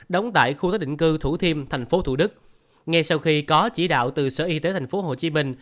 đóng tại khu tác định cư thủ thiêm tp thủ đức ngay sau khi có chỉ đạo từ sở y tế tp hcm